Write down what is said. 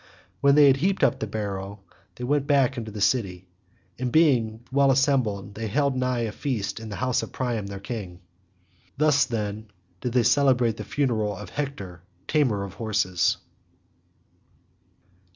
When they had heaped up the barrow they went back again into the city, and being well assembled they held high feast in the house of Priam their king. Thus, then, did they celebrate the funeral of Hector tamer of horses.